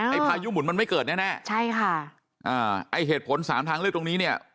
พายุหมุนมันไม่เกิดแน่แน่ใช่ค่ะอ่าไอ้เหตุผลสามทางเลือกตรงนี้เนี่ย